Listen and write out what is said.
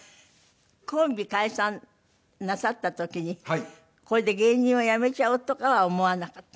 コンビ解散なさった時にこれで芸人を辞めちゃおうとかは思わなかった？